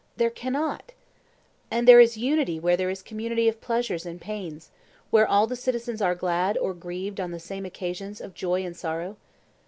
There cannot. And there is unity where there is community of pleasures and pains—where all the citizens are glad or grieved on the same occasions of joy and sorrow?